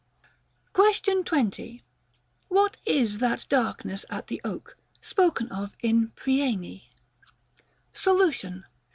Question 20. What is that darkness at the oak, spoken of in Priene I Solution.